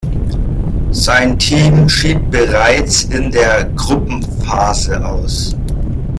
Sein Team schied bereits in der Gruppenphase aus.